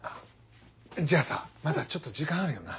じゃあさまだちょっと時間あるよな？